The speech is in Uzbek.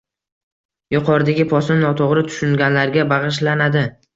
Yuqoridagi postni noto'g'ri tushunganlarga bag'ishlanadi!